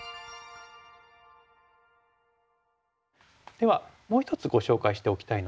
ではもう１つご紹介しておきたいのが。